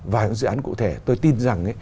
và những dự án cụ thể tôi tin rằng